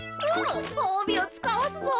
ほうびをつかわすぞ。